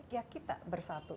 ya kita bersatu